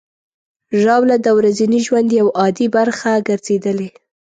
ژاوله د ورځني ژوند یوه عادي برخه ګرځېدلې.